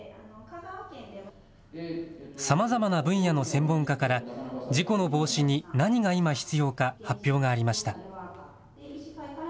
さまざまな分野の専門家から事故の防止に何が今、必要か発表がありました。